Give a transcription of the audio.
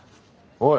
おい！